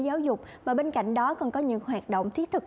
giáo dục và bên cạnh đó còn có những hoạt động thiết thực